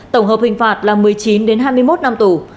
tổng hợp hình phạt là một mươi chín hai mươi một năm tù